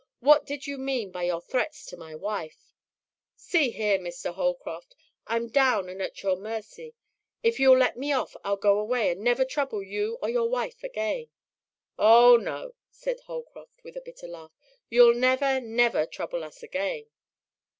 What did you mean by your threats to my wife?" "See here, Mr. Holcroft; I'm down and at your mercy. If you'll let me off I'll go away and never trouble you or your wife again." "Oh, no!" said Holcroft with a bitter laugh. "You'll never, never trouble us again."